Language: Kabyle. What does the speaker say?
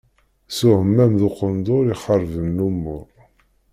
S uεmam d uqendur i xerben lumuṛ.